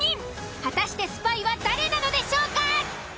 果たしてスパイは誰なのでしょうか？